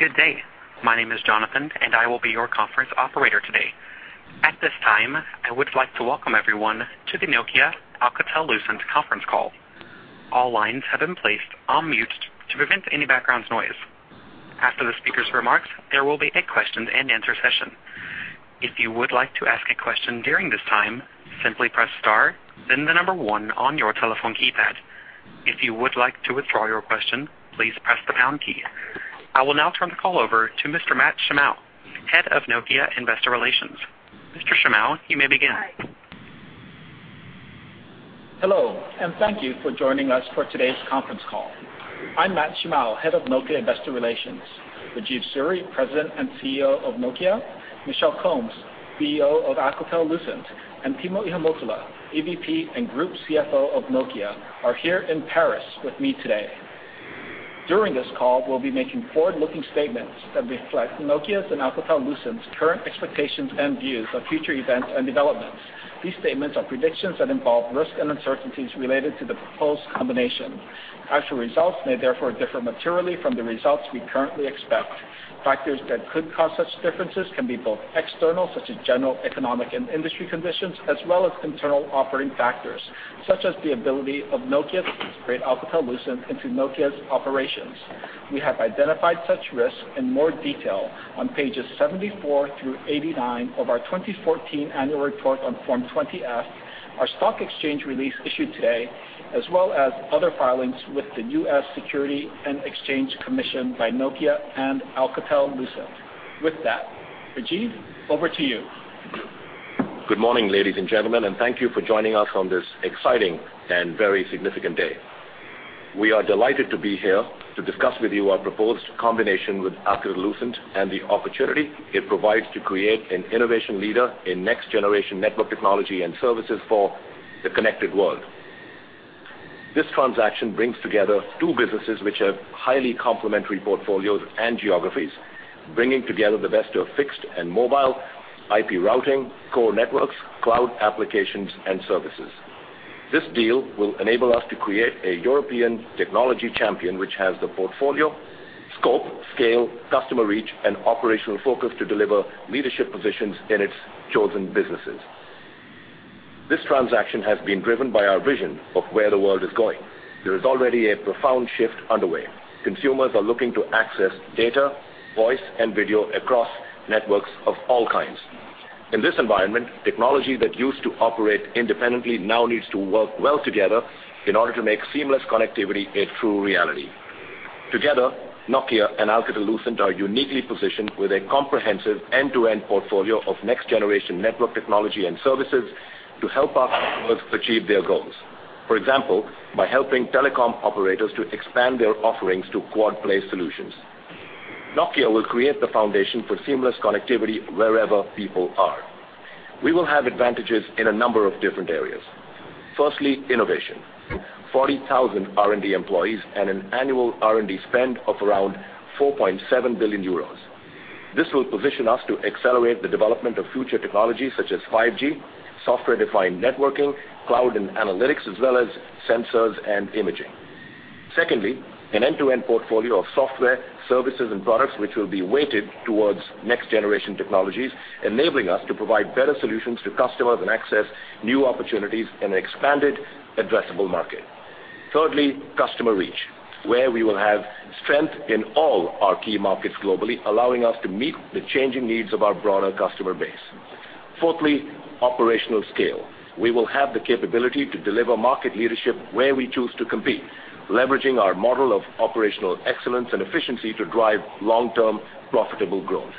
Good day. My name is Jonathan, and I will be your conference operator today. At this time, I would like to welcome everyone to the Nokia Alcatel-Lucent conference call. All lines have been placed on mute to prevent any background noise. After the speaker's remarks, there will be a question-and-answer session. If you would like to ask a question during this time, simply press * then the number 1 on your telephone keypad. If you would like to withdraw your question, please press the pound key. I will now turn the call over to Mr. Matt Shimao, head of Nokia Investor Relations. Mr. Shimao, you may begin. Hello, and thank you for joining us for today's conference call. I'm Matt Shimao, head of Nokia Investor Relations. Rajeev Suri, president and CEO of Nokia, Michel Combes, CEO of Alcatel-Lucent, and Timo Ihamuotila, EVP and group CFO of Nokia, are here in Paris with me today. During this call, we'll be making forward-looking statements that reflect Nokia's and Alcatel-Lucent's current expectations and views of future events and developments. These statements are predictions that involve risk and uncertainties related to the proposed combination. Actual results may therefore differ materially from the results we currently expect. Factors that could cause such differences can be both external, such as general economic and industry conditions, as well as internal operating factors, such as the ability of Nokia to split Alcatel-Lucent into Nokia's operations. We have identified such risks in more detail on pages 74 through 89 of our 2014 annual report on Form 20-F, our stock exchange release issued today, as well as other filings with the U.S. Securities and Exchange Commission by Nokia and Alcatel-Lucent. With that, Rajeev, over to you. Good morning, ladies and gentlemen, and thank you for joining us on this exciting and very significant day. We are delighted to be here to discuss with you our proposed combination with Alcatel-Lucent and the opportunity it provides to create an innovation leader in next-generation network technology and services for the connected world. This transaction brings together two businesses which have highly complementary portfolios and geographies, bringing together the best of fixed and mobile IP routing, core networks, cloud applications, and services. This deal will enable us to create a European technology champion which has the portfolio, scope, scale, customer reach, and operational focus to deliver leadership positions in its chosen businesses. This transaction has been driven by our vision of where the world is going. There is already a profound shift underway. Consumers are looking to access data, voice, and video across networks of all kinds. In this environment, technology that used to operate independently now needs to work well together in order to make seamless connectivity a true reality. Together, Nokia and Alcatel-Lucent are uniquely positioned with a comprehensive end-to-end portfolio of next-generation network technology and services to help our customers achieve their goals, for example, by helping telecom operators to expand their offerings to Quad-play solutions. Nokia will create the foundation for seamless connectivity wherever people are. We will have advantages in a number of different areas. Firstly, innovation: 40,000 R&D employees and an annual R&D spend of around 4.7 billion euros. This will position us to accelerate the development of future technologies such as 5G, software-defined networking, cloud and analytics, as well as sensors and imaging. Secondly, an end-to-end portfolio of software, services, and products which will be weighted towards next-generation technologies, enabling us to provide better solutions to customers and access new opportunities in an expanded, addressable market. Thirdly, customer reach, where we will have strength in all our key markets globally, allowing us to meet the changing needs of our broader customer base. Fourthly, operational scale: we will have the capability to deliver market leadership where we choose to compete, leveraging our model of operational excellence and efficiency to drive long-term, profitable growth.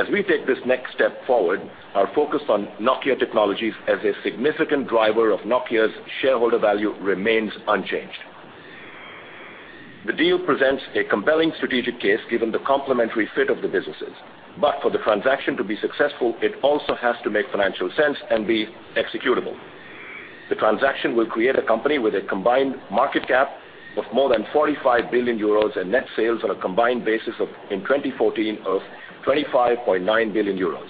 As we take this next step forward, our focus on Nokia Technologies as a significant driver of Nokia's shareholder value remains unchanged. The deal presents a compelling strategic case given the complementary fit of the businesses, but for the transaction to be successful, it also has to make financial sense and be executable. The transaction will create a company with a combined market cap of more than 45 billion euros and net sales on a combined basis in 2014 of 25.9 billion euros.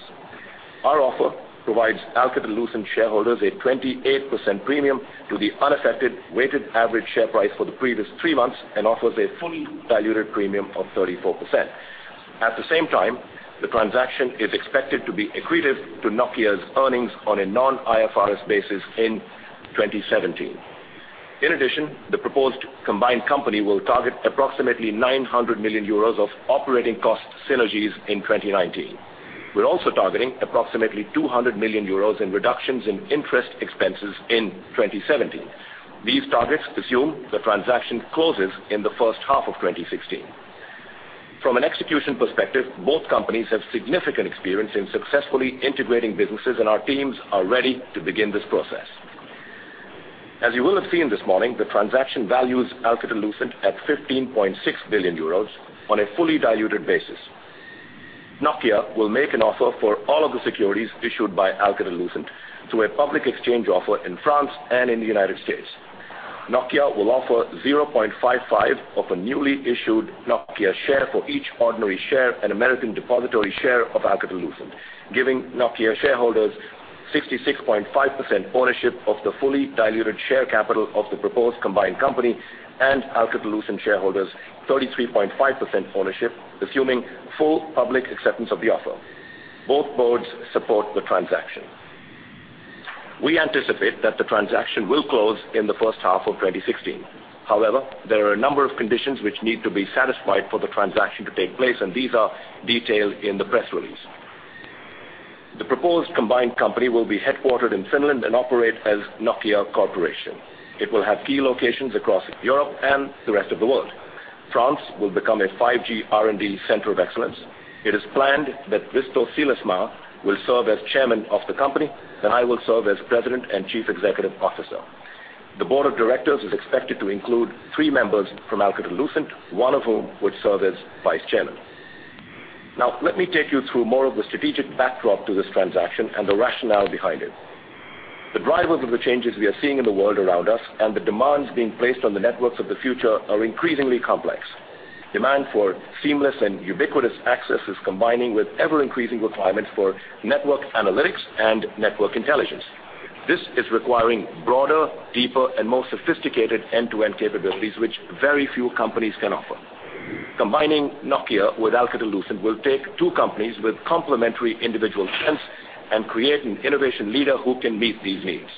Our offer provides Alcatel-Lucent shareholders a 28% premium to the unaffected weighted average share price for the previous three months and offers a fully diluted premium of 34%. At the same time, the transaction is expected to be accretive to Nokia's earnings on a non-IFRS basis in 2017. In addition, the proposed combined company will target approximately 900 million euros of operating cost synergies in 2019. We're also targeting approximately 200 million euros in reductions in interest expenses in 2017. These targets assume the transaction closes in the first half of 2016. From an execution perspective, both companies have significant experience in successfully integrating businesses, and our teams are ready to begin this process. As you will have seen this morning, the transaction values Alcatel-Lucent at 15.6 billion euros on a fully diluted basis. Nokia will make an offer for all of the securities issued by Alcatel-Lucent through a public exchange offer in France and in the United States. Nokia will offer 0.55 of a newly issued Nokia share for each ordinary share and American depository share of Alcatel-Lucent, giving Nokia shareholders 66.5% ownership of the fully diluted share capital of the proposed combined company and Alcatel-Lucent shareholders 33.5% ownership, assuming full public acceptance of the offer. Both boards support the transaction. We anticipate that the transaction will close in the first half of 2016. However, there are a number of conditions which need to be satisfied for the transaction to take place, and these are detailed in the press release. The proposed combined company will be headquartered in Finland and operate as Nokia Corporation. It will have key locations across Europe and the rest of the world. France will become a 5G R&D center of excellence. It is planned that Risto Siilasmaa will serve as chairman of the company, and I will serve as President and Chief Executive Officer. The board of directors is expected to include three members from Alcatel-Lucent, one of whom would serve as Vice Chairman. Now, let me take you through more of the strategic backdrop to this transaction and the rationale behind it. The drivers of the changes we are seeing in the world around us and the demands being placed on the networks of the future are increasingly complex. Demand for seamless and ubiquitous access is combining with ever-increasing requirements for network analytics and network intelligence. This is requiring broader, deeper, and more sophisticated end-to-end capabilities which very few companies can offer. Combining Nokia with Alcatel-Lucent will take two companies with complementary individual strengths and create an innovation leader who can meet these needs.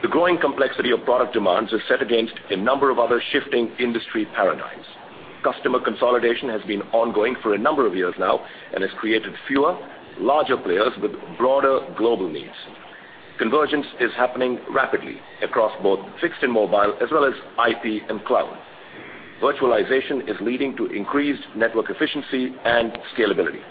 The growing complexity of product demands is set against a number of other shifting industry paradigms. Customer consolidation has been ongoing for a number of years now and has created fewer, larger players with broader global needs. Convergence is happening rapidly across both fixed and mobile, as well as IP and cloud. Virtualization is leading to increased network efficiency and scalability.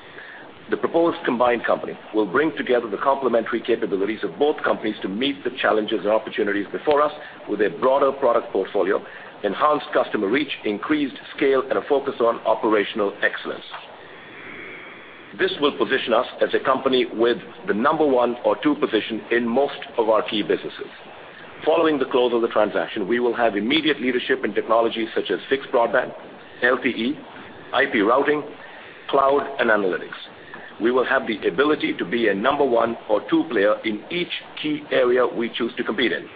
The proposed combined company will bring together the complementary capabilities of both companies to meet the challenges and opportunities before us with a broader product portfolio, enhanced customer reach, increased scale, and a focus on operational excellence. This will position us as a company with the number 1 or 2 position in most of our key businesses. Following the close of the transaction, we will have immediate leadership in technologies such as Fixed Broadband, LTE, IP Routing, Cloud and Analytics. We will have the ability to be a number 1 or 2 player in each key area we choose to compete in.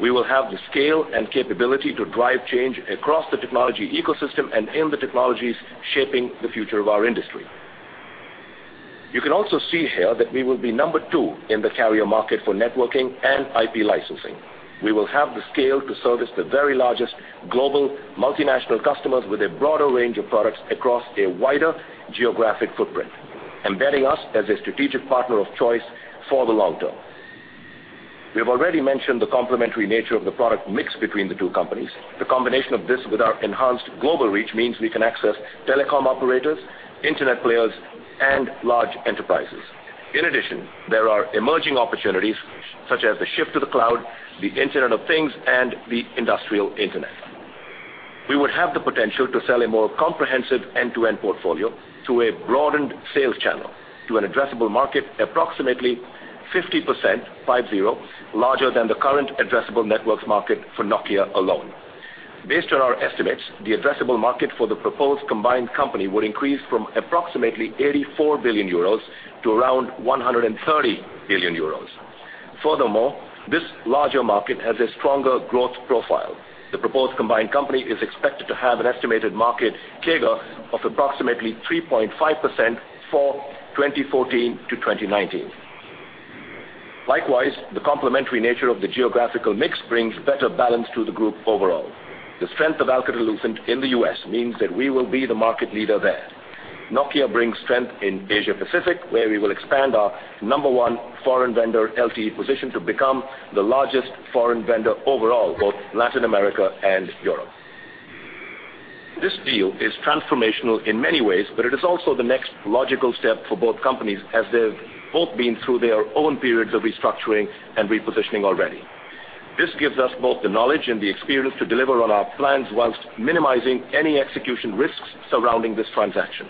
We will have the scale and capability to drive change across the technology ecosystem and in the technologies shaping the future of our industry. You can also see here that we will be number 2 in the carrier market for networking and IP licensing. We will have the scale to service the very largest global multinational customers with a broader range of products across a wider geographic footprint, embedding us as a strategic partner of choice for the long term. We have already mentioned the complementary nature of the product mix between the two companies. The combination of this with our enhanced global reach means we can access telecom operators, internet players, and large enterprises. In addition, there are emerging opportunities such as the shift to the cloud, the Internet of Things, and the Industrial Internet. We would have the potential to sell a more comprehensive end-to-end portfolio through a broadened sales channel to an addressable market approximately 50% larger than the current addressable networks market for Nokia alone. Based on our estimates, the addressable market for the proposed combined company would increase from approximately 84 billion euros to around 130 billion euros. Furthermore, this larger market has a stronger growth profile. The proposed combined company is expected to have an estimated market CAGR of approximately 3.5% for 2014-2019. Likewise, the complementary nature of the geographical mix brings better balance to the group overall. The strength of Alcatel-Lucent in the U.S. means that we will be the market leader there. Nokia brings strength in Asia-Pacific, where we will expand our number one foreign vendor LTE position to become the largest foreign vendor overall, both Latin America and Europe. This deal is transformational in many ways, but it is also the next logical step for both companies as they've both been through their own periods of restructuring and repositioning already. This gives us both the knowledge and the experience to deliver on our plans while minimizing any execution risks surrounding this transaction.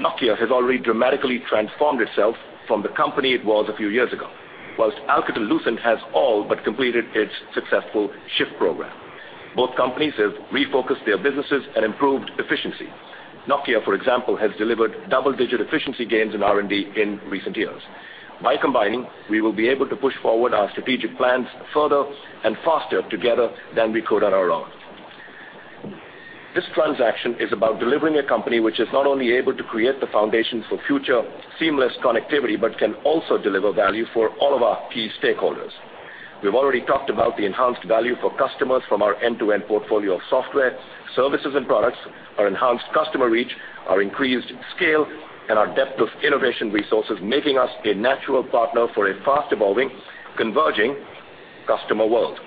Nokia has already dramatically transformed itself from the company it was a few years ago, while Alcatel-Lucent has all but completed its successful Shift Plan. Both companies have refocused their businesses and improved efficiency. Nokia, for example, has delivered double-digit efficiency gains in R&D in recent years. By combining, we will be able to push forward our strategic plans further and faster together than we could on our own. This transaction is about delivering a company which is not only able to create the foundations for future seamless connectivity but can also deliver value for all of our key stakeholders. We've already talked about the enhanced value for customers from our end-to-end portfolio of software, services, and products, our enhanced customer reach, our increased scale, and our depth of innovation resources, making us a natural partner for a fast-evolving, converging customer world.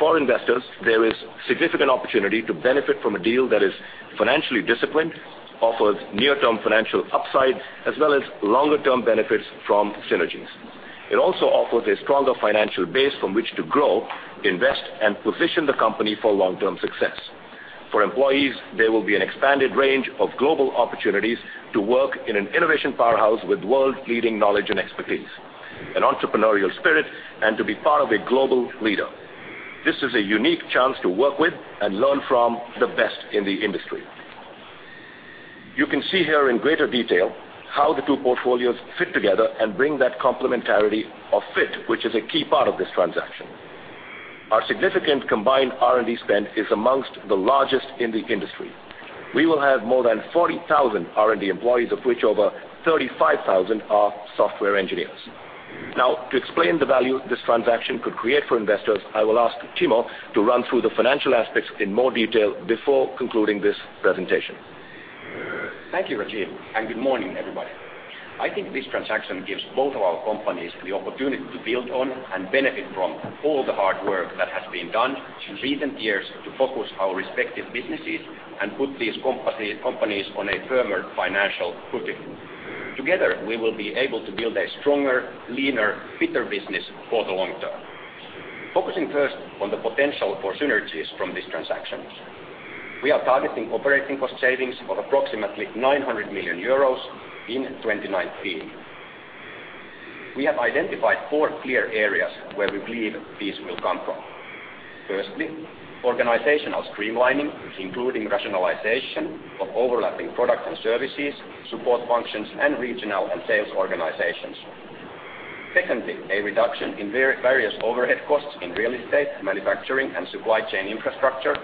For investors, there is significant opportunity to benefit from a deal that is financially disciplined, offers near-term financial upside, as well as longer-term benefits from synergies. It also offers a stronger financial base from which to grow, invest, and position the company for long-term success. For employees, there will be an expanded range of global opportunities to work in an innovation powerhouse with world-leading knowledge and expertise, an entrepreneurial spirit, and to be part of a global leader. This is a unique chance to work with and learn from the best in the industry. You can see here in greater detail how the two portfolios fit together and bring that complementarity of fit, which is a key part of this transaction. Our significant combined R&D spend is among the largest in the industry. We will have more than 40,000 R&D employees, of which over 35,000 are software engineers. Now, to explain the value this transaction could create for investors, I will ask Timo to run through the financial aspects in more detail before concluding this presentation. Thank you, Rajeev, and good morning, everybody. I think this transaction gives both of our companies the opportunity to build on and benefit from all the hard work that has been done in recent years to focus our respective businesses and put these companies on a firmer financial footing. Together, we will be able to build a stronger, leaner, fitter business for the long term, focusing first on the potential for synergies from this transaction. We are targeting operating cost savings of approximately 900 million euros in 2019. We have identified four clear areas where we believe these will come from. Firstly, organizational streamlining, including rationalization of overlapping products and services, support functions, and regional and sales organizations. Secondly, a reduction in various overhead costs in real estate, manufacturing, and supply chain infrastructure,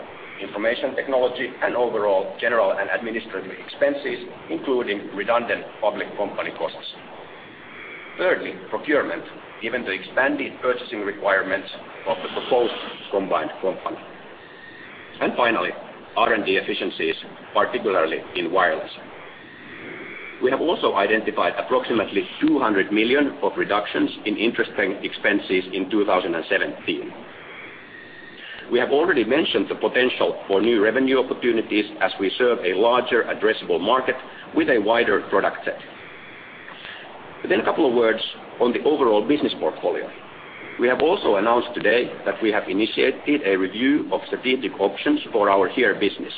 information technology, and overall general and administrative expenses, including redundant public company costs. Thirdly, procurement, given the expanded purchasing requirements of the proposed combined company. Finally, R&D efficiencies, particularly in wireless. We have also identified approximately 200 million of reductions in interest expenses in 2017. We have already mentioned the potential for new revenue opportunities as we serve a larger, addressable market with a wider product set. A couple of words on the overall business portfolio. We have also announced today that we have initiated a review of strategic options for our HERE business.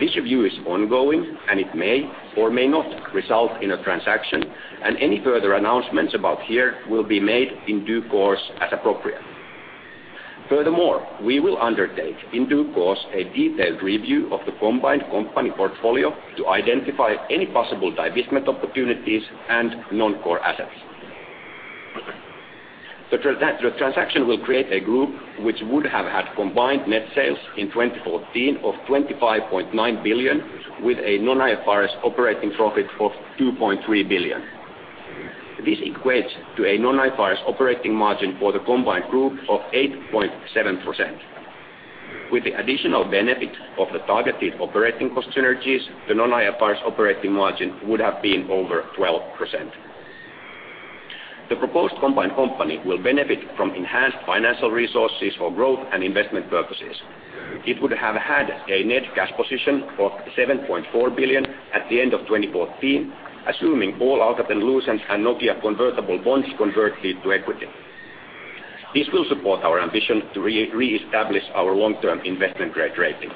This review is ongoing, and it may or may not result in a transaction, and any further announcements about HERE will be made in due course as appropriate. Furthermore, we will undertake in due course a detailed review of the combined company portfolio to identify any possible divestment opportunities and non-core assets. The transaction will create a group which would have had combined net sales in 2014 of 25.9 billion with a non-IFRS operating profit of 2.3 billion. This equates to a non-IFRS operating margin for the combined group of 8.7%. With the additional benefit of the targeted operating cost synergies, the non-IFRS operating margin would have been over 12%. The proposed combined company will benefit from enhanced financial resources for growth and investment purposes. It would have had a net cash position of 7.4 billion at the end of 2014, assuming all Alcatel-Lucent and Nokia convertible bonds converted to equity. This will support our ambition to reestablish our long-term investment grade rating.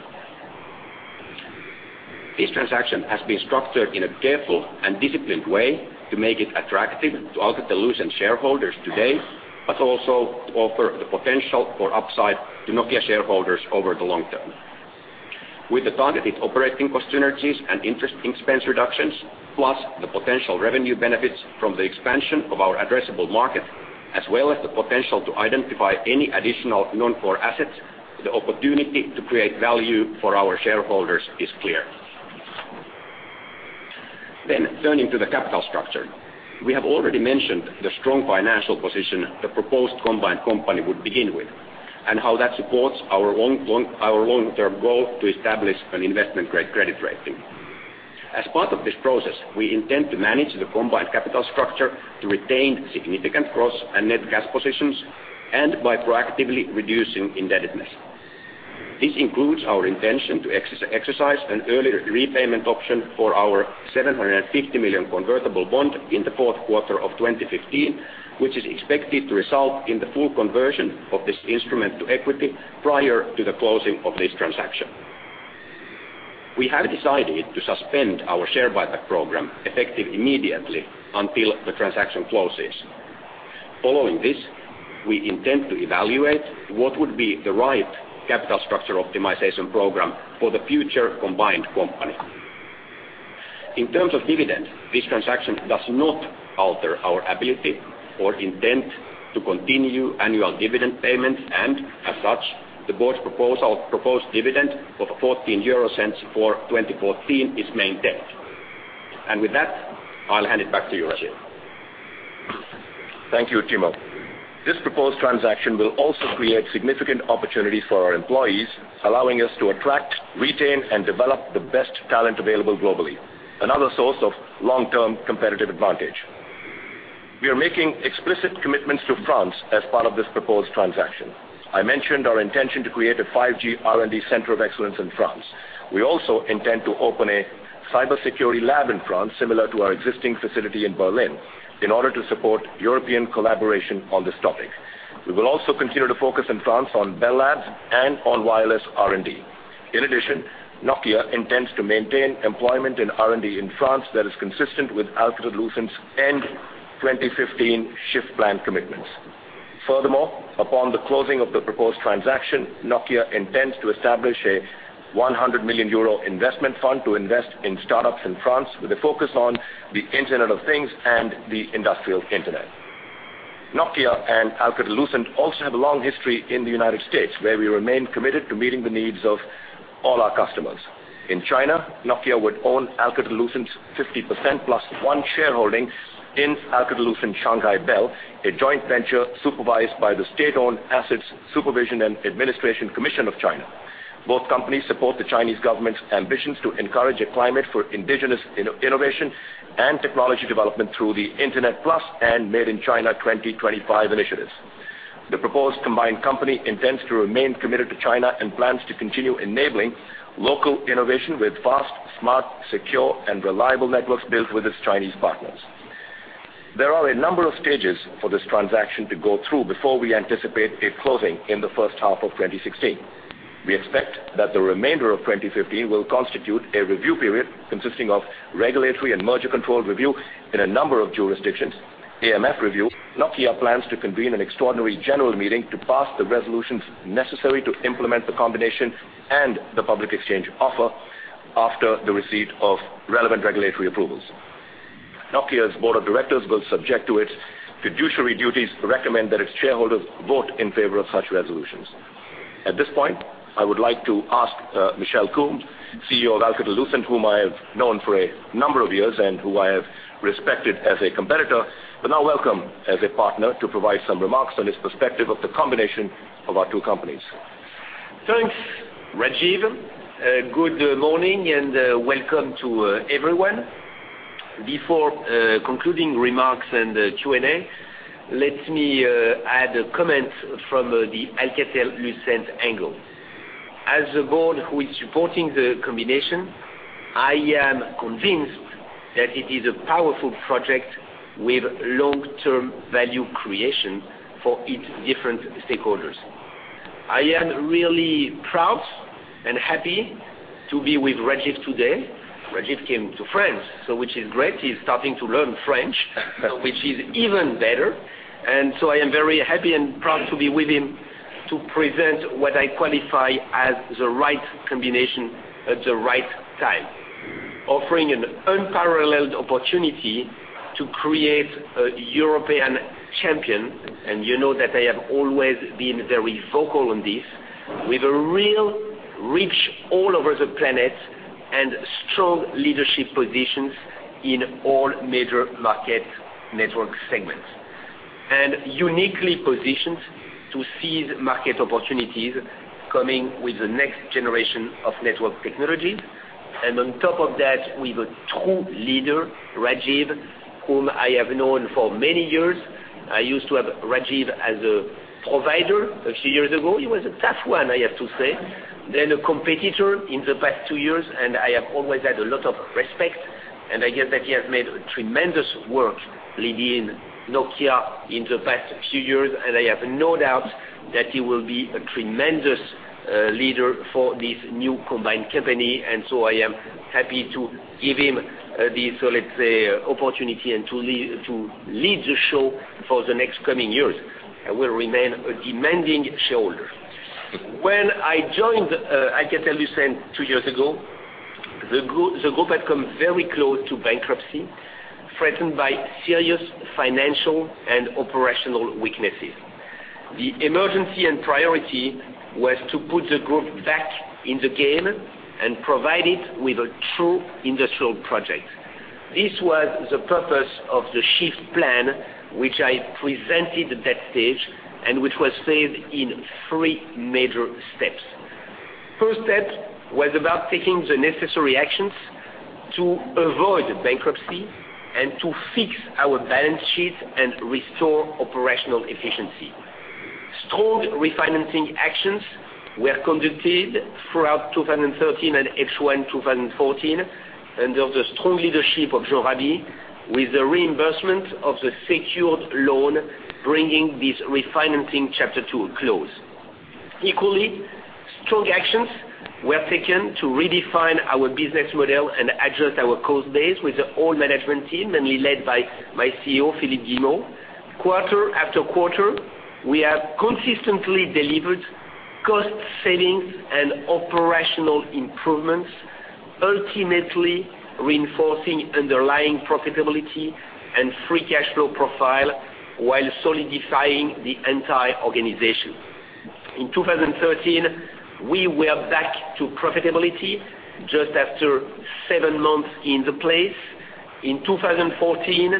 This transaction has been structured in a careful and disciplined way to make it attractive to Alcatel-Lucent shareholders today, but also to offer the potential for upside to Nokia shareholders over the long term. With the targeted operating cost synergies and interest expense reductions, plus the potential revenue benefits from the expansion of our addressable market, as well as the potential to identify any additional non-core assets, the opportunity to create value for our shareholders is clear. Then turning to the capital structure. We have already mentioned the strong financial position the proposed combined company would begin with and how that supports our long-term goal to establish an investment grade credit rating. As part of this process, we intend to manage the combined capital structure to retain significant gross and net cash positions and by proactively reducing indebtedness. This includes our intention to exercise an early repayment option for our 750 million convertible bond in the fourth quarter of 2015, which is expected to result in the full conversion of this instrument to equity prior to the closing of this transaction. We have decided to suspend our share buyback program effective immediately until the transaction closes. Following this, we intend to evaluate what would be the right capital structure optimization program for the future combined company. In terms of dividend, this transaction does not alter our ability or intent to continue annual dividend payments, and as such, the board's proposed dividend of 0.14 for 2014 is maintained. With that, I'll hand it back to you, Rajeev. Thank you, Timo. This proposed transaction will also create significant opportunities for our employees, allowing us to attract, retain, and develop the best talent available globally, another source of long-term competitive advantage. We are making explicit commitments to France as part of this proposed transaction. I mentioned our intention to create a 5G R&D center of excellence in France. We also intend to open a cybersecurity lab in France, similar to our existing facility in Berlin, in order to support European collaboration on this topic. We will also continue to focus in France on Bell Labs and on wireless R&D. In addition, Nokia intends to maintain employment in R&D in France that is consistent with Alcatel-Lucent's end-2015 Shift Plan commitments. Furthermore, upon the closing of the proposed transaction, Nokia intends to establish a 100 million euro investment fund to invest in startups in France with a focus on the Internet of Things and the Industrial Internet. Nokia and Alcatel-Lucent also have a long history in the United States, where we remain committed to meeting the needs of all our customers. In China, Nokia would own Alcatel-Lucent's 50% + one shareholding in Alcatel-Lucent Shanghai Bell, a joint venture supervised by the State-owned Assets Supervision and Administration Commission of China. Both companies support the Chinese government's ambitions to encourage a climate for indigenous innovation and technology development through the Internet Plus and Made in China 2025 initiatives. The proposed combined company intends to remain committed to China and plans to continue enabling local innovation with fast, smart, secure, and reliable networks built with its Chinese partners. There are a number of stages for this transaction to go through before we anticipate a closing in the first half of 2016. We expect that the remainder of 2015 will constitute a review period consisting of regulatory and merger control review in a number of jurisdictions, AMF review, Nokia plans to convene an extraordinary general meeting to pass the resolutions necessary to implement the combination and the public exchange offer after the receipt of relevant regulatory approvals. Nokia's board of directors will, subject to its fiduciary duties, recommend that its shareholders vote in favor of such resolutions. At this point, I would like to ask Michel Combes, CEO of Alcatel-Lucent, whom I have known for a number of years and who I have respected as a competitor, but now welcome as a partner, to provide some remarks on his perspective of the combination of our two companies. Thanks, Rajeev. Good morning and welcome to everyone. Before concluding remarks and Q&A, let me add a comment from the Alcatel-Lucent angle. As a board who is supporting the combination, I am convinced that it is a powerful project with long-term value creation for its different stakeholders. I am really proud and happy to be with Rajeev today. Rajeev came to France, which is great. He's starting to learn French, which is even better. And so I am very happy and proud to be with him to present what I qualify as the right combination at the right time, offering an unparalleled opportunity to create a European champion, and you know that I have always been very vocal on this, with a real reach all over the planet and strong leadership positions in all major market network segments, and uniquely positioned to seize market opportunities coming with the next generation of network technologies. And on top of that, with a true leader, Rajeev, whom I have known for many years. I used to have Rajeev as a provider a few years ago. He was a tough one, I have to say, then a competitor in the past two years, and I have always had a lot of respect. And I guess that he has made tremendous work leading Nokia in the past few years, and I have no doubt that he will be a tremendous leader for this new combined company. And so I am happy to give him this, let's say, opportunity and to lead the show for the next coming years. I will remain a demanding shareholder. When I joined Alcatel-Lucent two years ago, the group had come very close to bankruptcy, threatened by serious financial and operational weaknesses. The emergency and priority was to put the group back in the game and provide it with a true industrial project. This was the purpose of the Shift Plan, which I presented at that stage and which was phased in three major steps. First step was about taking the necessary actions to avoid bankruptcy and to fix our balance sheet and restore operational efficiency. Strong refinancing actions were conducted throughout 2013 and H1 2014 under the strong leadership of Jean Raby, with the reimbursement of the secured loan bringing this refinancing chapter to close. Equally, strong actions were taken to redefine our business model and adjust our cost base with the whole management team, mainly led by my CEO, Philippe Guillemot. Quarter after quarter, we have consistently delivered cost savings and operational improvements, ultimately reinforcing underlying profitability and free cash flow profile while solidifying the entire organization. In 2013, we were back to profitability just after seven months in the place. In 2014,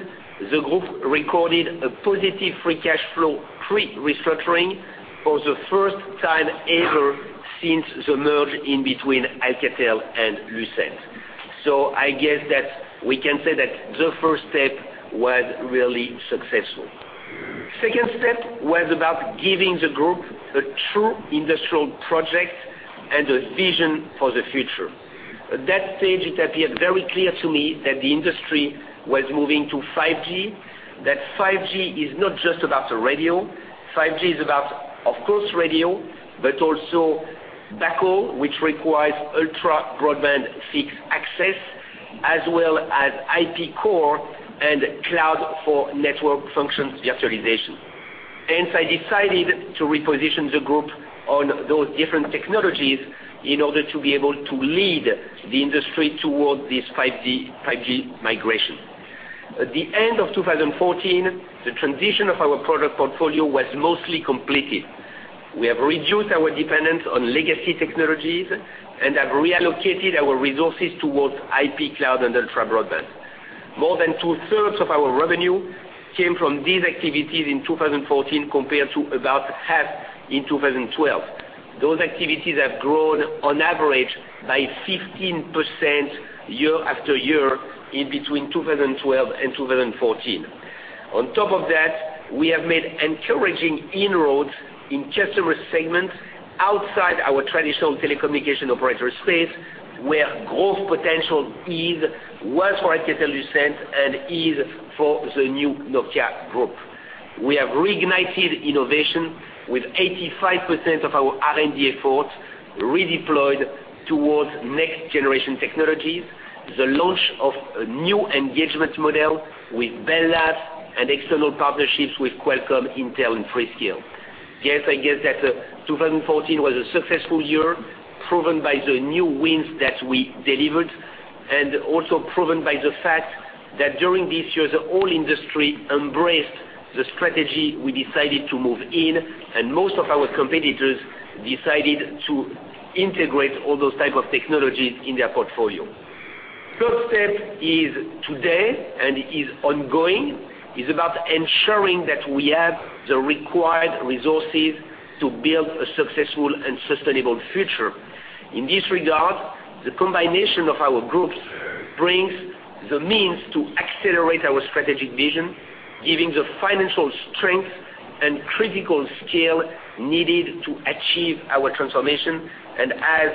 the group recorded a positive free cash flow pre-restructuring for the first time ever since the merger between Alcatel and Lucent. So I guess that we can say that the first step was really successful. Second step was about giving the group a true industrial project and a vision for the future. At that stage, it appeared very clear to me that the industry was moving to 5G, that 5G is not just about the radio. 5G is about, of course, radio, but also backhaul, which requires ultra-broadband fixed access, as well as IP core and cloud for network functions virtualization. Hence, I decided to reposition the group on those different technologies in order to be able to lead the industry towards this 5G migration. At the end of 2014, the transition of our product portfolio was mostly completed. We have reduced our dependence on legacy technologies and have reallocated our resources towards IP, cloud, and ultra-broadband. More than two-thirds of our revenue came from these activities in 2014 compared to about half in 2012. Those activities have grown, on average, by 15% year after year in between 2012 and 2014. On top of that, we have made encouraging inroads in customer segments outside our traditional telecommunication operator space, where growth potential is, was for Alcatel-Lucent and is for the new Nokia group. We have reignited innovation with 85% of our R&D efforts redeployed towards next-generation technologies, the launch of a new engagement model with Bell Labs and external partnerships with Qualcomm, Intel, and Freescale. Yes, I guess that 2014 was a successful year, proven by the new wins that we delivered and also proven by the fact that during this year, the whole industry embraced the strategy we decided to move in, and most of our competitors decided to integrate all those types of technologies in their portfolio. Third step is today and is ongoing. It's about ensuring that we have the required resources to build a successful and sustainable future. In this regard, the combination of our groups brings the means to accelerate our strategic vision, giving the financial strength and critical skill needed to achieve our transformation. And as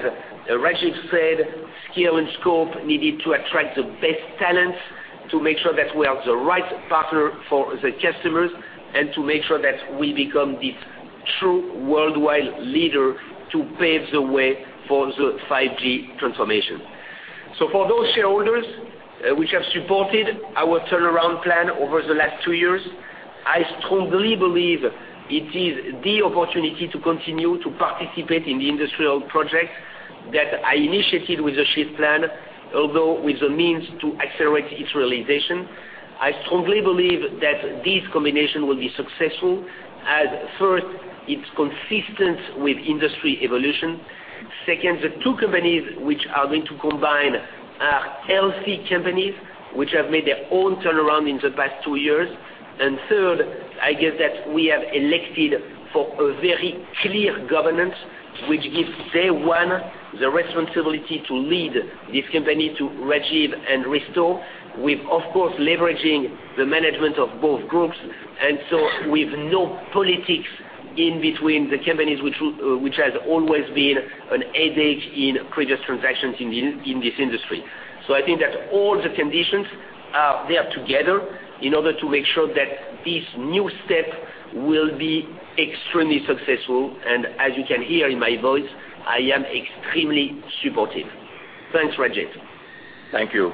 Rajeev said, skill and scope needed to attract the best talents to make sure that we are the right partner for the customers and to make sure that we become this true worldwide leader to pave the way for the 5G transformation. So for those shareholders which have supported our turnaround plan over the last two years, I strongly believe it is the opportunity to continue to participate in the industrial projects that I initiated with the Shift Plan, although with the means to accelerate its realization. I strongly believe that this combination will be successful as, first, it's consistent with industry evolution. Second, the two companies which are going to combine are healthy companies which have made their own turnaround in the past two years. And third, I guess that we have elected for a very clear governance, which gives day one the responsibility to lead this company to Rajeev and Risto, with, of course, leveraging the management of both groups. And so with no politics in between the companies, which has always been a headache in previous transactions in this industry. So I think that all the conditions are there together in order to make sure that this new step will be extremely successful. And as you can hear in my voice, I am extremely supportive. Thanks, Rajeev. Thank you,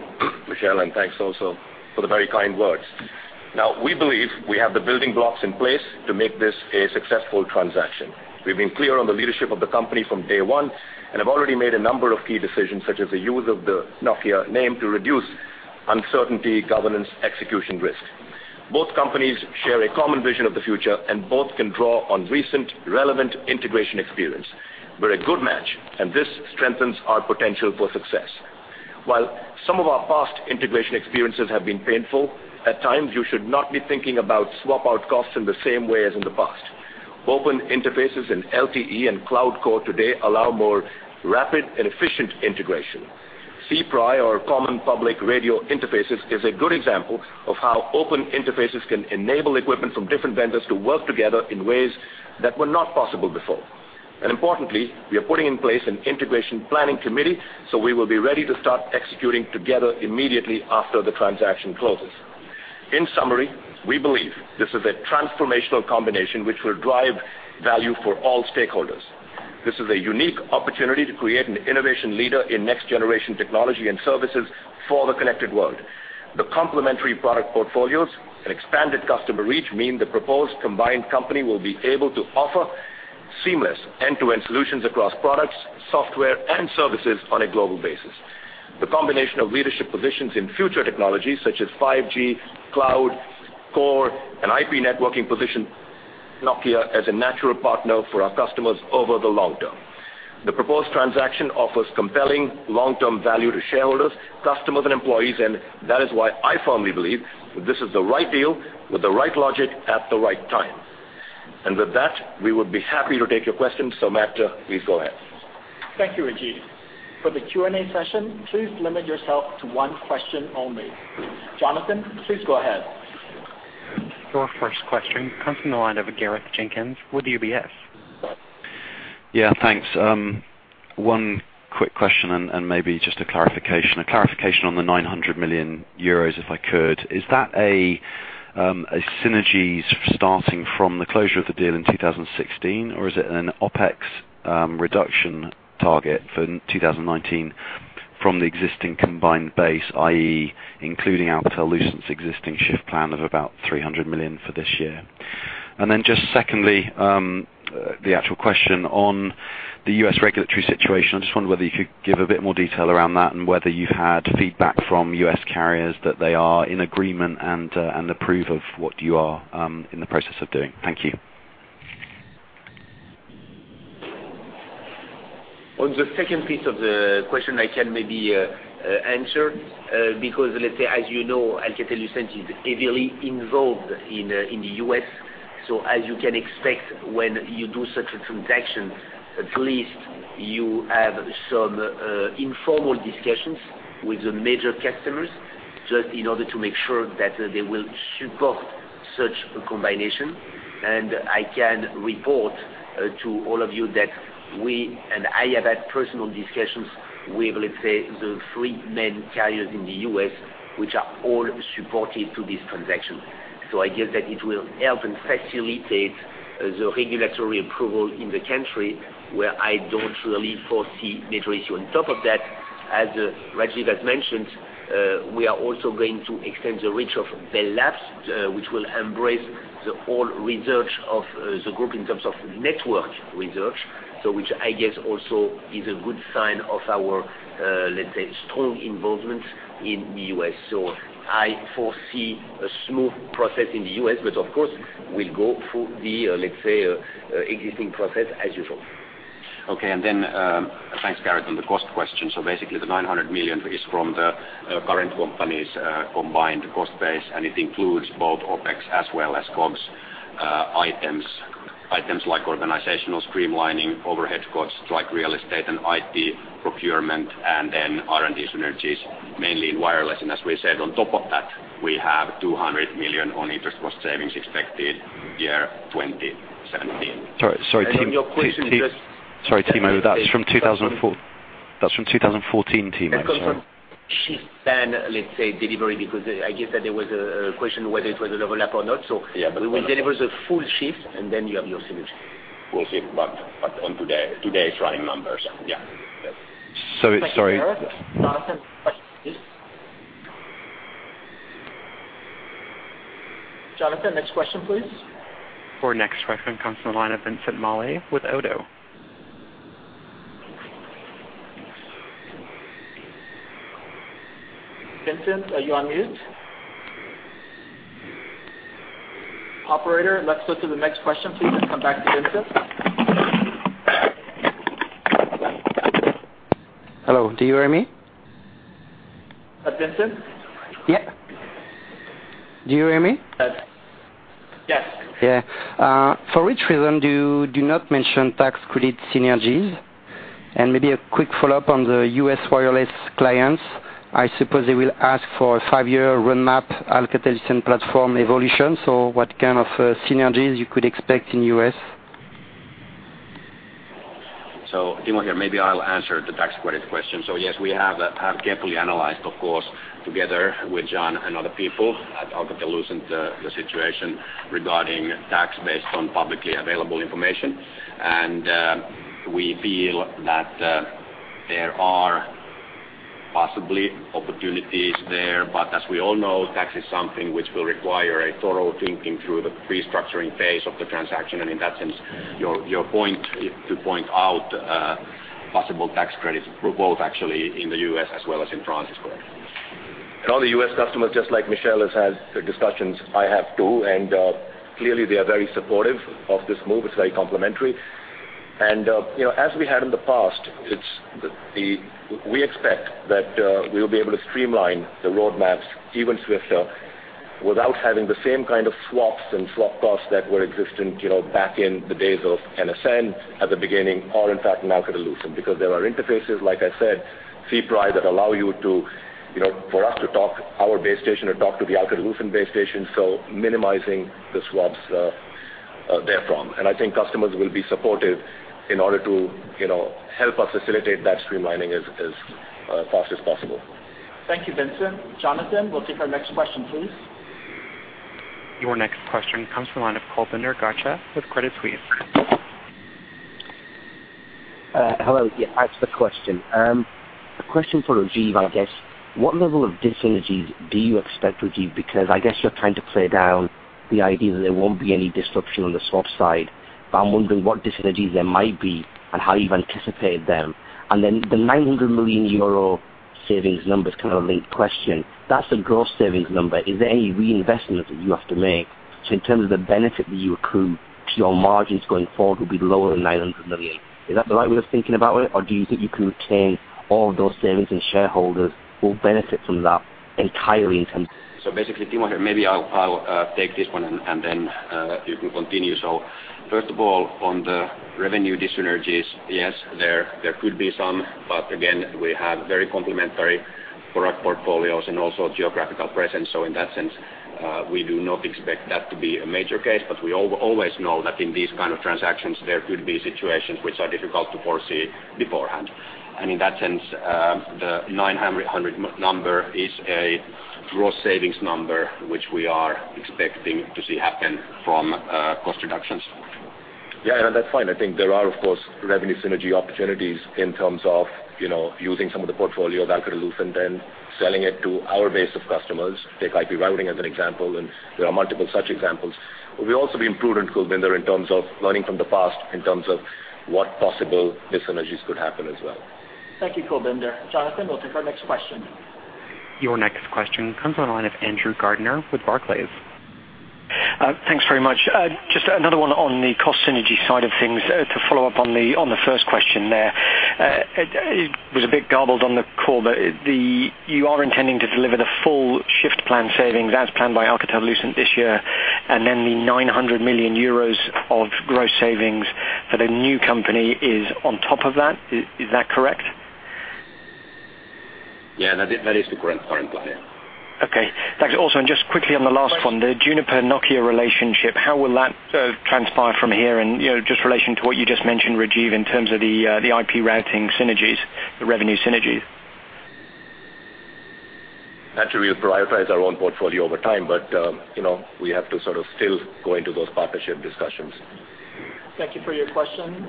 Michel, and thanks also for the very kind words. Now, we believe we have the building blocks in place to make this a successful transaction. We've been clear on the leadership of the company from day one and have already made a number of key decisions, such as the use of the Nokia name to reduce uncertainty, governance, execution risk. Both companies share a common vision of the future, and both can draw on recent, relevant integration experience. We're a good match, and this strengthens our potential for success. While some of our past integration experiences have been painful, at times, you should not be thinking about swap-out costs in the same way as in the past. Open interfaces in LTE and cloud core today allow more rapid and efficient integration. CPRI, or Common Public Radio Interfaces, is a good example of how open interfaces can enable equipment from different vendors to work together in ways that were not possible before. And importantly, we are putting in place an integration planning committee, so we will be ready to start executing together immediately after the transaction closes. In summary, we believe this is a transformational combination which will drive value for all stakeholders. This is a unique opportunity to create an innovation leader in next-generation technology and services for the connected world. The complementary product portfolios and expanded customer reach mean the proposed combined company will be able to offer seamless end-to-end solutions across products, software, and services on a global basis. The combination of leadership positions in future technologies, such as 5G, cloud, core, and IP networking positions Nokia as a natural partner for our customers over the long term. The proposed transaction offers compelling long-term value to shareholders, customers, and employees, and that is why I firmly believe this is the right deal with the right logic at the right time. With that, we would be happy to take your questions. Operator, please go ahead. Thank you, Rajeev. For the Q&A session, please limit yourself to one question only. Jonathan, please go ahead. Your first question comes from the line of Gareth Jenkins with UBS. Yeah, thanks. One quick question and maybe just a clarification. A clarification on the 900 million euros, if I could. Is that a synergy starting from the closure of the deal in 2016, or is it an OPEX reduction target for 2019 from the existing combined base, i.e., including Alcatel-Lucent's existing Shift Plan of about 300 million for this year? And then just secondly, the actual question on the U.S. regulatory situation. I just wondered whether you could give a bit more detail around that and whether you've had feedback from U.S. carriers that they are in agreement and approve of what you are in the process of doing. Thank you. On the second piece of the question, I can maybe answer because, let's say, as you know, Alcatel-Lucent is heavily involved in the US. So, as you can expect, when you do such a transaction, at least you have some informal discussions with the major customers just in order to make sure that they will support such a combination. And I can report to all of you that we and I have had personal discussions with, let's say, the three main carriers in the US, which are all supportive of this transaction. So I guess that it will help and facilitate the regulatory approval in the country where I don't really foresee major issues. On top of that, as Rajeev has mentioned, we are also going to extend the reach of Bell Labs, which will embrace the whole research of the group in terms of network research, which I guess also is a good sign of our, let's say, strong involvement in the U.S. So I foresee a smooth process in the U.S., but, of course, we'll go through the, let's say, existing process as usual. Okay. And then thanks, Gareth, on the cost question. So basically, the 900 million is from the current company's combined cost base, and it includes both OPEX as well as COGS items like organizational streamlining, overhead costs like real estate and IT procurement, and then R&D synergies, mainly in wireless. And as we said, on top of that, we have 200 million on interest cost savings expected year 2017. Sorry, Tim. And then your question just. Sorry, Timo. That's from 2014. That's from 2014, Timo. Shift Plan, let's say, delivery because I guess that there was a question whether it was an overlap or not. So we will deliver the full Shift Plan, and then you have your synergy. We'll see. But on today's running numbers, yeah. Sorry. Thank you, Gareth. Jonathan, question, please. Jonathan, next question, please. For next question, comes from the line of Vincent Maulay with Oddo. Vincent, are you on mute? Operator, let's go to the next question, please, and come back to Vincent. Hello. Do you hear me? Vincent? Yep. Do you hear me? Said. Yes. Yeah. For which reason do you not mention tax credit synergies? And maybe a quick follow-up on the U.S. wireless clients. I suppose they will ask for a five-year roadmap Alcatel-Lucent platform evolution. So what kind of synergies you could expect in the U.S.? So Timo, here. Maybe I'll answer the tax credit question. So yes, we have carefully analyzed, of course, together with John and other people at Alcatel-Lucent, the situation regarding tax based on publicly available information. And we feel that there are possibly opportunities there. But as we all know, tax is something which will require a thorough thinking through the restructuring phase of the transaction. And in that sense, your point to point out possible tax credits, both actually in the US as well as in France, correct? All the U.S. customers, just like Michel, has had discussions. I have too. Clearly, they are very supportive of this move. It's very complementary. As we had in the past, we expect that we will be able to streamline the roadmaps even swifter without having the same kind of swaps and swap costs that were existent back in the days of NSN at the beginning or, in fact, in Alcatel-Lucent because there are interfaces, like I said, CPRI that allow you to for us to talk our base station or talk to the Alcatel-Lucent base station, so minimizing the swaps therefrom. I think customers will be supportive in order to help us facilitate that streamlining as fast as possible. Thank you, Vincent. Jonathan, we'll take our next question, please. Your next question comes from the line of Kulbinder Garcha with Credit Suisse. Hello. Yeah, that's the question. A question for Rajeev, I guess. What level of dissynergies do you expect, Rajeev? Because I guess you're trying to play down the idea that there won't be any disruption on the swap side, but I'm wondering what dissynergies there might be and how you've anticipated them. And then the 900 million euro savings numbers, kind of a linked question. That's a gross savings number. Is there any reinvestment that you have to make? So in terms of the benefit that you accrue to your margins going forward will be lower than 900 million. Is that the right way of thinking about it, or do you think you can retain all of those savings and shareholders will benefit from that entirely in terms of? So basically, Timo, here. Maybe I'll take this one, and then you can continue. So first of all, on the revenue dissynergies, yes, there could be some. But again, we have very complementary product portfolios and also geographical presence. So in that sense, we do not expect that to be a major case. But we always know that in these kind of transactions, there could be situations which are difficult to foresee beforehand. And in that sense, the 900 number is a gross savings number which we are expecting to see happen from cost reductions. Yeah. And that's fine. I think there are, of course, revenue synergy opportunities in terms of using some of the portfolio of Alcatel-Lucent and selling it to our base of customers, take IP routing as an example. And there are multiple such examples. But we also have been prudent, Kulbinder, in terms of learning from the past in terms of what possible dissynergies could happen as well. Thank you, Kulbinder. Jonathan, we'll take our next question. Your next question comes from the line of Andrew Gardiner with Barclays. Thanks very much. Just another one on the cost synergy side of things. To follow up on the first question there, it was a bit garbled on the call, but you are intending to deliver the full Shift Plan savings as planned by Alcatel-Lucent this year, and then the 900 million euros of gross savings for the new company is on top of that. Is that correct? Yeah. That is the current plan. Okay. Thanks. Also, and just quickly on the last one, the Juniper-Nokia relationship, how will that transpire from here in just relation to what you just mentioned, Rajeev, in terms of the IP routing synergies, the revenue synergies? Naturally, we'll prioritize our own portfolio over time, but we have to sort of still go into those partnership discussions. Thank you for your question,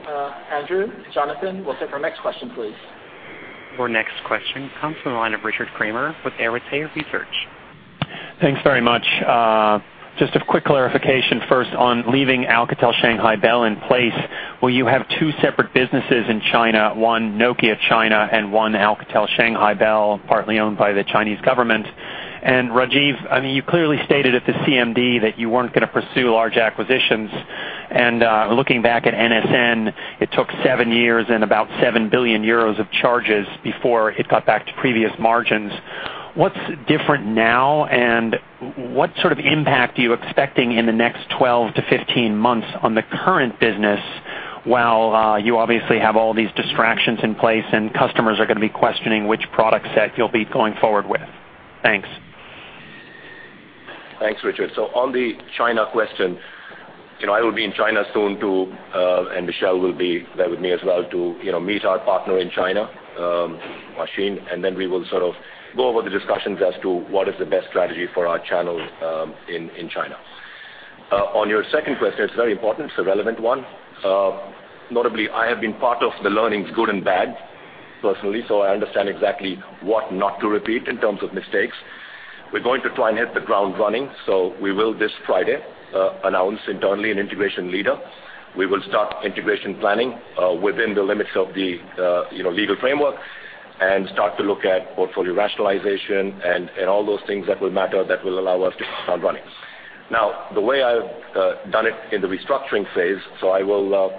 Andrew. Jonathan, we'll take our next question, please. Your next question comes from the line of Richard Kramer with Arete Research. Thanks very much. Just a quick clarification first on leaving Alcatel-Lucent Shanghai Bell in place. Well, you have two separate businesses in China, one Nokia China and one Alcatel-Lucent Shanghai Bell, partly owned by the Chinese government. And Rajeev, I mean, you clearly stated at the CMD that you weren't going to pursue large acquisitions. And looking back at NSN, it took seven years and about 7 billion euros of charges before it got back to previous margins. What's different now, and what sort of impact are you expecting in the next 12-15 months on the current business while you obviously have all these distractions in place and customers are going to be questioning which product set you'll be going forward with? Thanks. Thanks, Richard. So on the China question, I will be in China soon too, and Michel will be there with me as well to meet our partner in China, China Huaxin. And then we will sort of go over the discussions as to what is the best strategy for our channel in China. On your second question, it's very important. It's a relevant one. Notably, I have been part of the learnings, good and bad, personally, so I understand exactly what not to repeat in terms of mistakes. We're going to try and hit the ground running. So we will this Friday announce internally an integration leader. We will start integration planning within the limits of the legal framework and start to look at portfolio rationalization and all those things that will matter that will allow us to get the ground running. Now, the way I've done it in the restructuring phase, so I will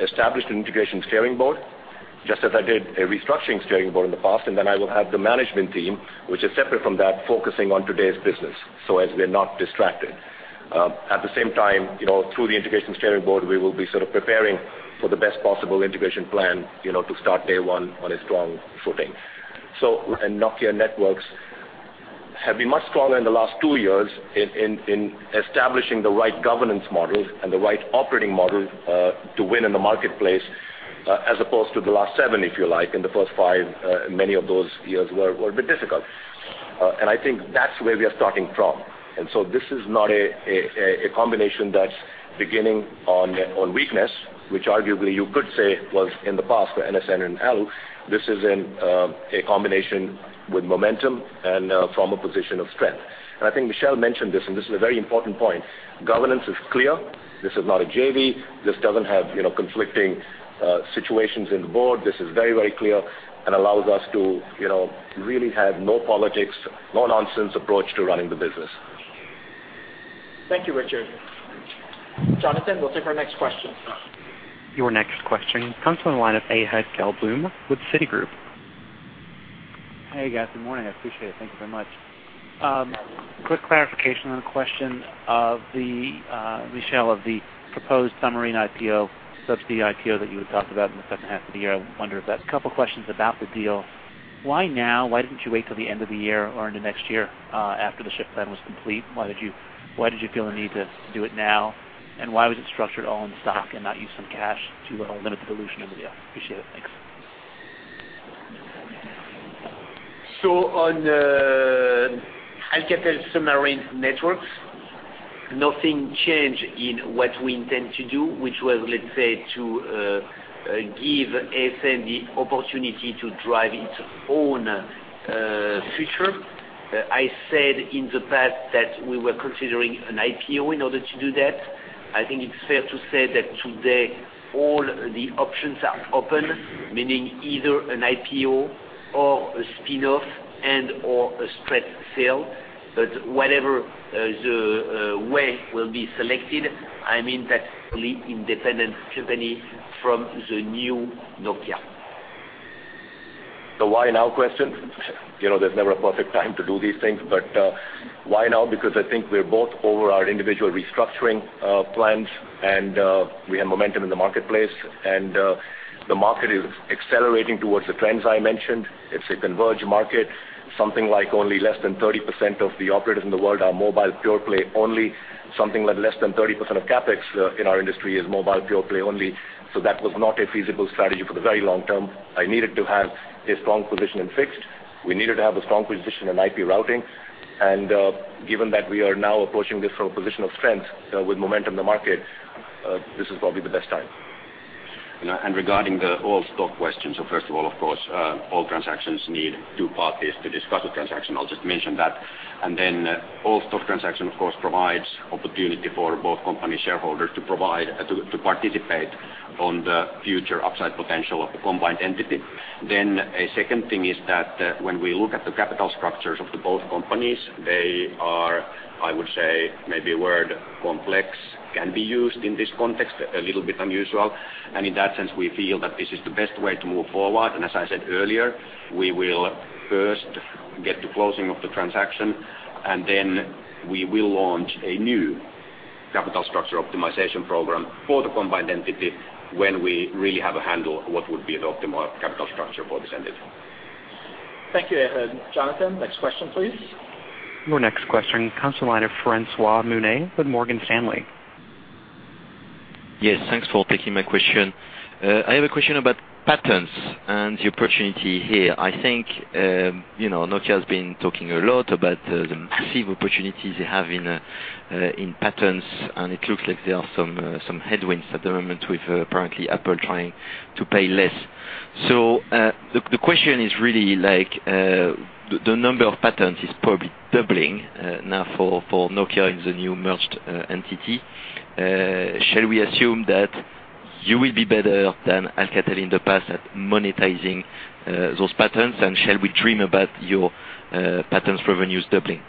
establish an integration steering board just as I did a restructuring steering board in the past. And then I will have the management team, which is separate from that, focusing on today's business so as we're not distracted. At the same time, through the integration steering board, we will be sort of preparing for the best possible integration plan to start day one on a strong footing. So. And Nokia Networks have been much stronger in the last two years in establishing the right governance models and the right operating model to win in the marketplace as opposed to the last seven, if you like. And the first five, many of those years were a bit difficult. And I think that's where we are starting from. And so this is not a combination that's beginning on weakness, which arguably you could say was in the past for NSN and Alu. This is a combination with momentum and from a position of strength. And I think Michel mentioned this, and this is a very important point. Governance is clear. This is not a JV. This doesn't have conflicting situations in the board. This is very, very clear and allows us to really have no politics, no nonsense approach to running the business. Thank you, Richard. Jonathan, we'll take our next question. Your next question comes from the line of Ehud Gelblum with Citigroup. Hey, guys. Good morning. I appreciate it. Thank you very much. Quick clarification on a question of Michel, of the proposed submarine IPO, subsea IPO that you had talked about in the second half of the year. I wonder if that's a couple of questions about the deal. Why now? Why didn't you wait till the end of the year or into next year after the Shift Plan was complete? Why did you feel the need to do it now? And why was it structured all in stock and not use some cash to limit the dilution of the deal? Appreciate it. Thanks. So on Alcatel Submarine Networks, nothing changed in what we intend to do, which was, let's say, to give ASN the opportunity to drive its own future. I said in the past that we were considering an IPO in order to do that. I think it's fair to say that today, all the options are open, meaning either an IPO or a spin-off and/or a strategic sale. But whatever the way will be selected, I mean, that's fully independent company from the new Nokia. So, why now? Question? There's never a perfect time to do these things. But why now? Because I think we're both over our individual restructuring plans, and we have momentum in the marketplace. And the market is accelerating towards the trends I mentioned. It's a converged market. Something like only less than 30% of the operators in the world are mobile, pure-play only. Something like less than 30% of CapEx in our industry is mobile, pure-play only. So that was not a feasible strategy for the very long term. I needed to have a strong position in fixed. We needed to have a strong position in IP Routing. And given that we are now approaching this from a position of strength with momentum in the market, this is probably the best time. Regarding the all-stock question, so first of all, of course, all transactions need two parties to discuss a transaction. I'll just mention that. And then all-stock transaction, of course, provides opportunity for both company shareholders to participate on the future upside potential of a combined entity. Then a second thing is that when we look at the capital structures of both companies, they are, I would say, maybe a word, complex, can be used in this context, a little bit unusual. And in that sense, we feel that this is the best way to move forward. And as I said earlier, we will first get to closing of the transaction, and then we will launch a new capital structure optimization program for the combined entity when we really have a handle what would be the optimal capital structure for this entity. Thank you, Ahad. Jonathan, next question, please. Your next question comes from the line of François Meunier with Morgan Stanley. Yes. Thanks for taking my question. I have a question about patents and the opportunity here. I think Nokia has been talking a lot about the massive opportunities they have in patents, and it looks like there are some headwinds at the moment with apparently Apple trying to pay less. So the question is really the number of patents is probably doubling now for Nokia in the new merged entity. Shall we assume that you will be better than Alcatel-Lucent in the past at monetizing those patents, and shall we dream about your patents revenues doubling?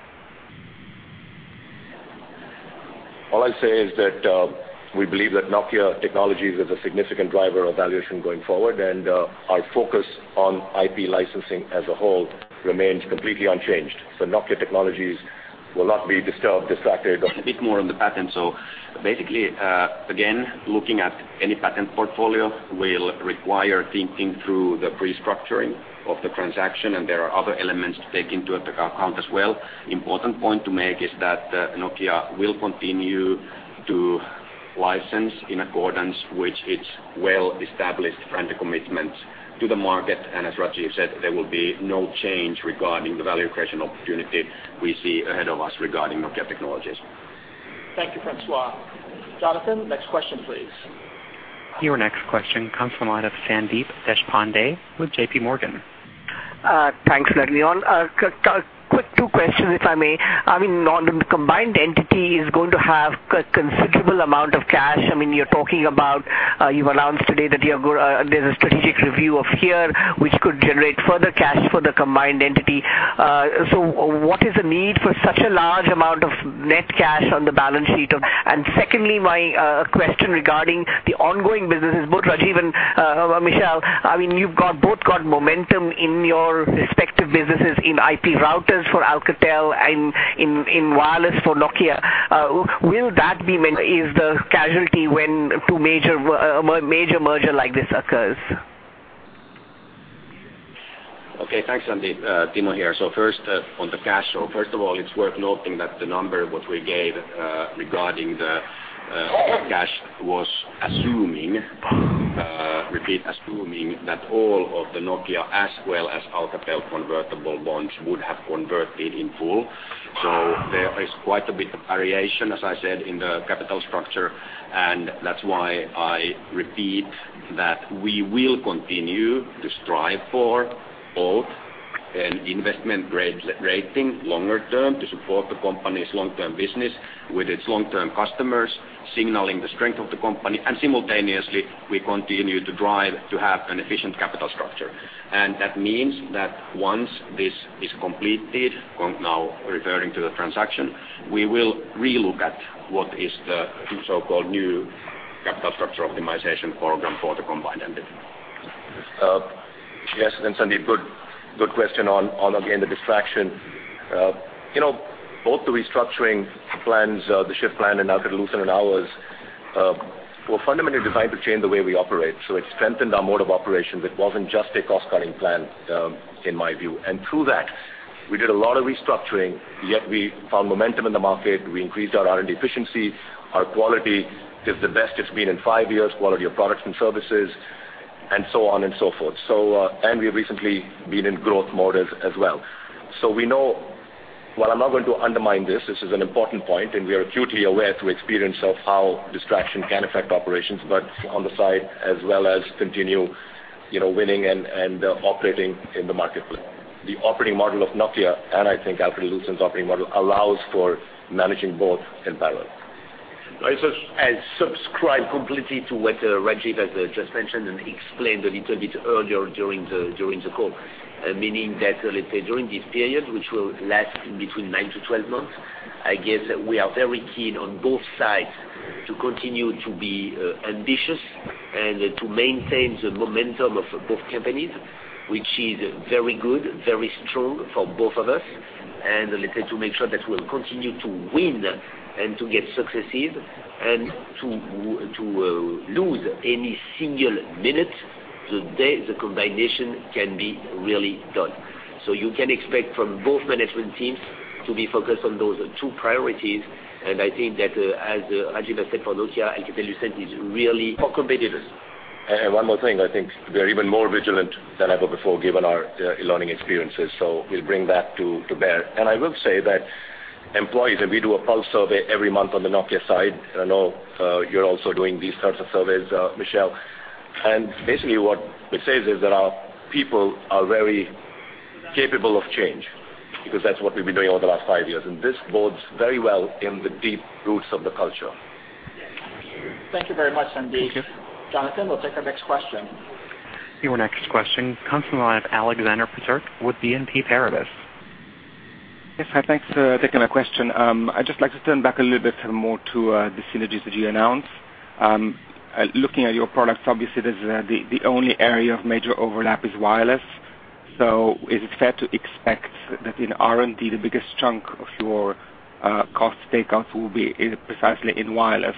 All I'll say is that we believe that Nokia Technologies is a significant driver of valuation going forward, and our focus on IP licensing as a whole remains completely unchanged. So Nokia Technologies will not be disturbed, distracted. A bit more on the patent. So basically, again, looking at any patent portfolio, we'll require thinking through the restructuring of the transaction, and there are other elements to take into account as well. Important point to make is that Nokia will continue to license in accordance with its well-established friendly commitments to the market. And as Rajeev said, there will be no change regarding the value creation opportunity we see ahead of us regarding Nokia Technologies. Thank you, François. Jonathan, next question, please. Your next question comes from the line of Sandeep Deshpande with J.P. Morgan. Thanks, Nadeon. Quick two questions, if I may. I mean, the combined entity is going to have a considerable amount of cash. I mean, you're talking about you've announced today that there's a strategic review of HERE, which could generate further cash for the combined entity. So what is the need for such a large amount of net cash on the balance sheet? And secondly, my question regarding the ongoing business is both Rajeev and Michel, I mean, you've both got momentum in your respective businesses in IP routers for Alcatel and in wireless for Nokia. Will that be? Is the casualty when a major merger like this occurs? Okay. Thanks, Sandeep. Timo here. So first, on the cash flow, first of all, it's worth noting that the number what we gave regarding the cash was assuming, repeat, assuming that all of the Nokia as well as Alcatel convertible bonds would have converted in full. So there is quite a bit of variation, as I said, in the capital structure. And that's why I repeat that we will continue to strive for both an investment rating longer term to support the company's long-term business with its long-term customers, signaling the strength of the company. And simultaneously, we continue to drive to have an efficient capital structure. And that means that once this is completed, now referring to the transaction, we will relook at what is the so-called new capital structure optimization program for the combined entity. Yes. And Sandeep, good question on, again, the distraction. Both the restructuring plans, the Shift Plan in Alcatel-Lucent and ours, were fundamentally designed to change the way we operate. So it strengthened our mode of operation. It wasn't just a cost-cutting plan in my view. And through that, we did a lot of restructuring, yet we found momentum in the market. We increased our R&D efficiency. Our quality is the best it's been in five years, quality of products and services, and so on and so forth. And we have recently been in growth modes as well. So we know while I'm not going to undermine this, this is an important point, and we are acutely aware through experience of how distraction can affect operations, but. On the side as well as continue winning and operating in the marketplace. The operating model of Nokia and I think Alcatel-Lucent's operating model allows for managing both in parallel. I subscribe completely to what Rajeev has just mentioned and explained a little bit earlier during the call, meaning that, let's say, during this period, which will last between 9-12 months, I guess that we are very keen on both sides to continue to be ambitious and to maintain the momentum of both companies, which is very good, very strong for both of us. And let's say to make sure that we'll continue to win and to get successes and to lose any single minute, the combination can be really done. So you can expect from both management teams to be focused on those two priorities. And I think that, as Rajeev has said for Nokia, Alcatel-Lucent is really for competitors. And one more thing. I think we are even more vigilant than ever before given our learning experiences. So we'll bring that to bear. And I will say that employees and we do a pulse survey every month on the Nokia side. I know you're also doing these sorts of surveys, Michel. And basically, what it says is that our people are very capable of change because that's what we've been doing over the last five years. And this bodes very well in the deep roots of the culture. Thank you very much, Sandeep. Thank you. Jonathan, we'll take our next question. Your next question comes from the line of Alexander Peterc with BNP Paribas. Yes. Hi. Thanks for taking my question. I'd just like to turn back a little bit more to the synergies that you announced. Looking at your products, obviously, the only area of major overlap is wireless. So is it fair to expect that in R&D, the biggest chunk of your cost takeouts will be precisely in wireless?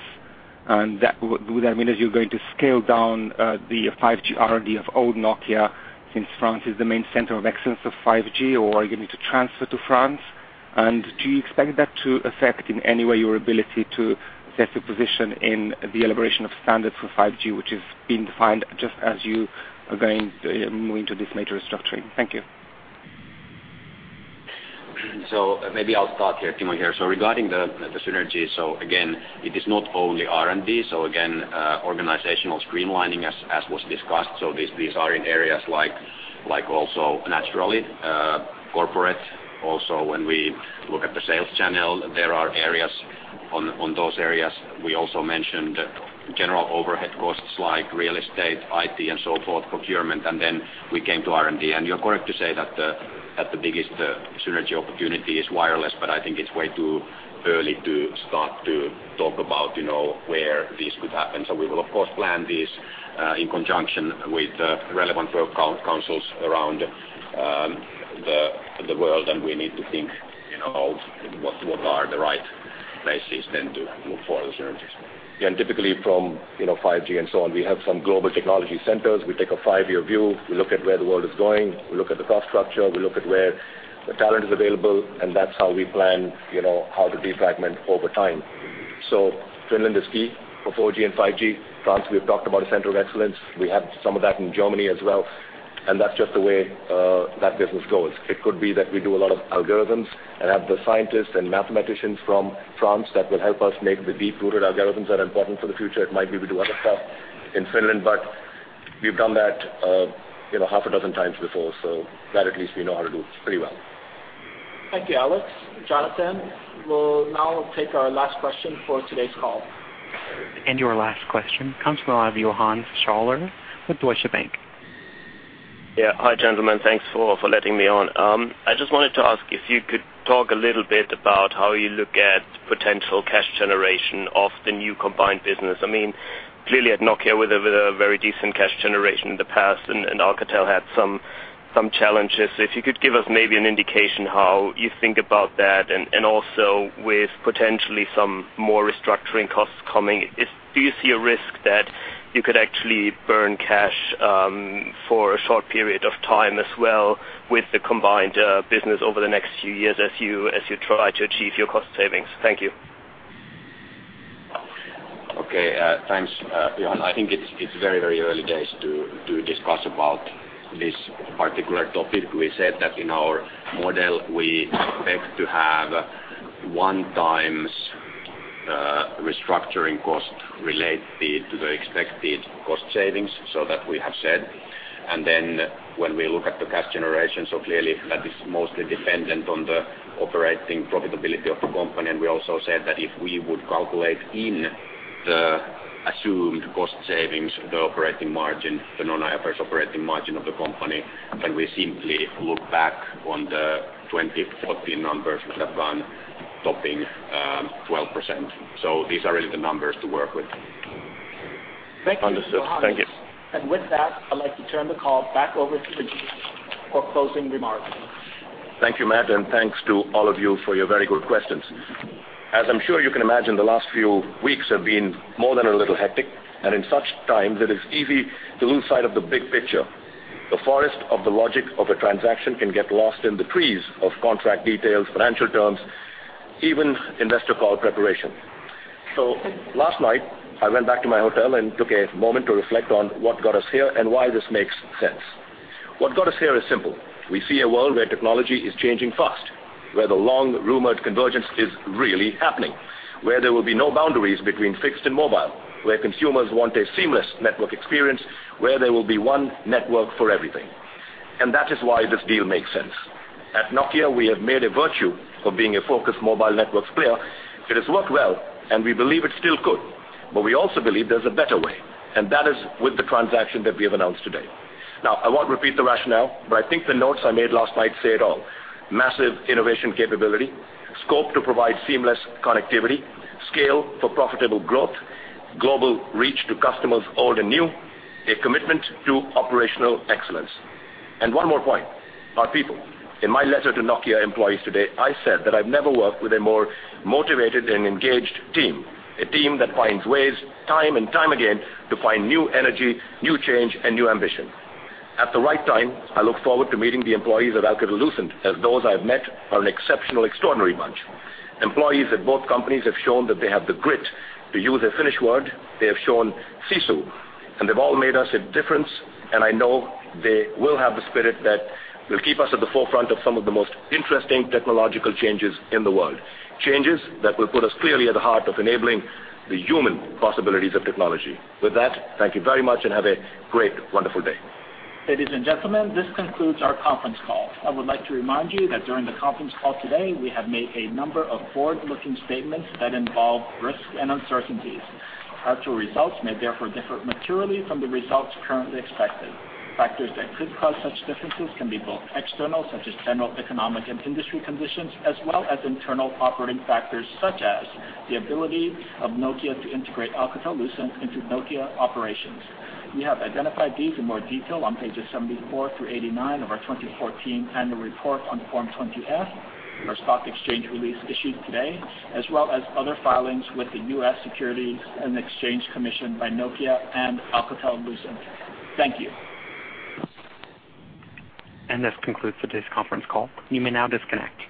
And would that mean that you're going to scale down the 5G R&D of old Nokia since France is the main center of excellence of 5G, or are you going to transfer to France? And do you expect that to affect in any way your ability to assess your position in the elaboration of standards for 5G, which has been defined just as you are going to move into this major restructuring? Thank you. So, maybe I'll start here, Timo here. So regarding the synergy, so again, it is not only R&D. So again, organizational streamlining as was discussed. So these are in areas like also naturally corporate. Also, when we look at the sales channel, there are areas on those areas. We also mentioned general overhead costs like real estate, IT, and so forth, procurement. And then we came to R&D. And you're correct to say that the biggest synergy opportunity is wireless, but I think it's way too early to start to talk about where this could happen. So we will, of course, plan these in conjunction with relevant work councils around the world, and we need to think what are the right places then to look for the synergies. Yeah. Typically, from 5G and so on, we have some global technology centers. We take a five-year view. We look at where the world is going. We look at the cost structure. We look at where the talent is available. And that's how we plan how to defragment over time. So Finland is key for 4G and 5G. France, we've talked about a center of excellence. We have some of that in Germany as well. And that's just the way that business goes. It could be that we do a lot of algorithms and have the scientists and mathematicians from France that will help us make the deep-rooted algorithms that are important for the future. It might be we do other stuff in Finland, but we've done that half a dozen times before. So that at least we know how to do pretty well. Thank you, Alex. Jonathan, we'll now take our last question for today's call. Your last question comes from the line of Johannes Schaller with Deutsche Bank. Yeah. Hi, gentlemen. Thanks for letting me on. I just wanted to ask if you could talk a little bit about how you look at potential cash generation of the new combined business. I mean, clearly, at Nokia, we're with a very decent cash generation in the past, and Alcatel had some challenges. So if you could give us maybe an indication how you think about that. And also, with potentially some more restructuring costs coming, do you see a risk that you could actually burn cash for a short period of time as well with the combined business over the next few years as you try to achieve your cost savings? Thank you. Okay. Thanks, Johan. I think it's very, very early days to discuss about this particular topic. We said that in our model, we expect to have one-time restructuring cost related to the expected cost savings so that we have said. Then when we look at the cash generation, so clearly, that is mostly dependent on the operating profitability of the company. We also said that if we would calculate in the assumed cost savings, the operating margin, the non-IFRS operating margin of the company, then we simply look back on the 2014 numbers which have gone topping 12%. So these are really the numbers to work with. Thank you. Understood. Thank you. With that, I'd like to turn the call back over to Rajeev for closing remarks. Thank you, Matt. Thanks to all of you for your very good questions. As I'm sure you can imagine, the last few weeks have been more than a little hectic. In such times, it is easy to lose sight of the big picture. The forest of the logic of a transaction can get lost in the trees of contract details, financial terms, even investor call preparation. Last night, I went back to my hotel and took a moment to reflect on what got us here and why this makes sense. What got us here is simple. We see a world where technology is changing fast, where the long-rumored convergence is really happening, where there will be no boundaries between fixed and mobile, where consumers want a seamless network experience, where there will be one network for everything. That is why this deal makes sense. At Nokia, we have made a virtue of being a focused mobile networks player. It has worked well, and we believe it still could. But we also believe there's a better way, and that is with the transaction that we have announced today. Now, I won't repeat the rationale, but I think the notes I made last night say it all: massive innovation capability, scope to provide seamless connectivity, scale for profitable growth, global reach to customers old and new, a commitment to operational excellence. And one more point: our people. In my letter to Nokia employees today, I said that I've never worked with a more motivated and engaged team, a team that finds ways time and time again to find new energy, new change, and new ambition. At the right time, I look forward to meeting the employees of Alcatel-Lucent as those I've met are an exceptional, extraordinary bunch. Employees at both companies have shown that they have the grit to use a Finnish word. They have shown sisu. They've all made us a difference, and I know they will have the spirit that will keep us at the forefront of some of the most interesting technological changes in the world, changes that will put us clearly at the heart of enabling the human possibilities of technology. With that, thank you very much and have a great, wonderful day. Ladies and gentlemen, this concludes our conference call. I would like to remind you that during the conference call today, we have made a number of forward-looking statements that involve risks and uncertainties. Actual results may therefore differ materially from the results currently expected. Factors that could cause such differences can be both external, such as general economic and industry conditions, as well as internal operating factors such as the ability of Nokia to integrate Alcatel-Lucent into Nokia operations. We have identified these in more detail on pages 74 through 89 of our 2014 annual report on Form 20-F, our stock exchange release issued today, as well as other filings with the U.S. Securities and Exchange Commission by Nokia and Alcatel-Lucent. Thank you. This concludes today's conference call. You may now disconnect.